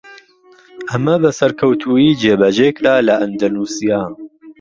ئەمە بە سەرکەوتوویی جێبەجێکرا لە ئەندەنوسیا.